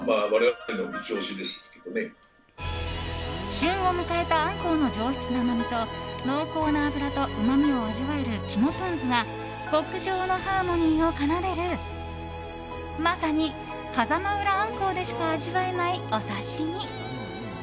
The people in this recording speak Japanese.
旬を迎えたアンコウの上質なうまみと濃厚な脂とうまみを味わえる肝ポン酢が極上のハーモニーを奏でるまさに風間浦鮟鱇でしか味わえないお刺し身。